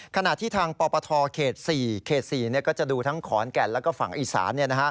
ขณะที่ทางปปทเขต๔เขต๔ก็จะดูทั้งขอนแก่นและฝั่งอีสาน